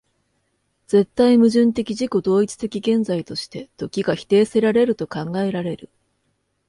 絶対矛盾的自己同一的現在として、時が否定せられると考えられる